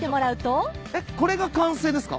これが完成ですか？